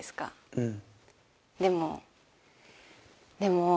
うん。